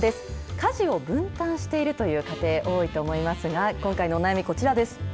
家事を分担しているという家庭、多いと思いますが、今回のお悩み、こちらです。